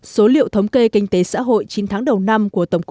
số liệu thống kê kinh tế xã hội chín tháng đầu năm của tổng cục